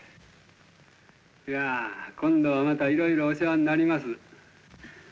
いやあ今度はまたいろいろお世話になります。